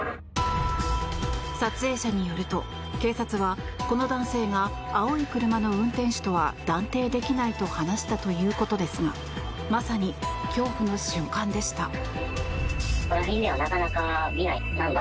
撮影者によると警察はこの男性が青い車の運転手とは断定できないと話したということですがまさに恐怖の瞬間でした。